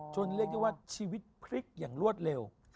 เรียกได้ว่าชีวิตพลิกอย่างรวดเร็ว